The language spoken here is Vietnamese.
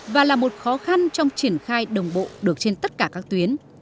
và là một khó khăn trong triển khai đồng bộ được trên tất cả các tuyến